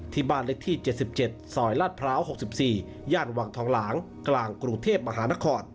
ที่บ้านเล็กที่๗๗ซอยลาดพร้าว๖๔ย่านวังทองหลางกลางกรุงเทพมหานคร